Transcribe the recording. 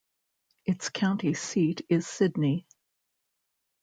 Its county seat is Sidney.